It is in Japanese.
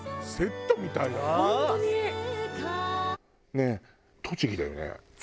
ねえ栃木だよね？